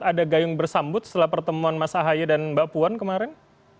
ada gayung bersambut setelah pertemuan mas ahaye dan mbak puan kemarin